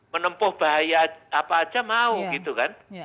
menempuh bahaya apa aja mau gitu kan